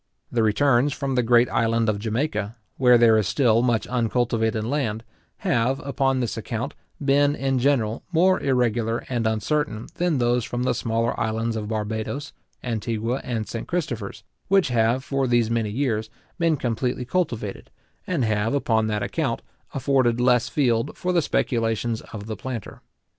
The returns from the great island of Jamaica, where there is still much uncultivated land, have, upon this account, been, in general, more irregular and uncertain than those from the smaller islands of Barbadoes, Antigua, and St. Christopher's, which have, for these many years, been completely cultivated, and have, upon that account, afforded less field for the speculations of the planter.